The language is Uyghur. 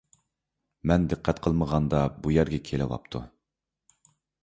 مەن دىققەت قىلمىغاندا، بۇ يەرگە كېلىۋاپتۇ.